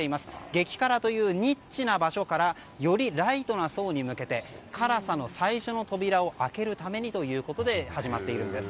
激辛というニッチな場所からよりライトな層に向けて辛さの最初の扉を開けるためにということで始まっているんです。